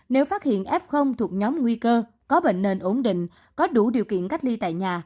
nếu phát hiện f thuộc nhóm nguy cơ có bệnh nền ổn định có đủ điều kiện cách ly tại nhà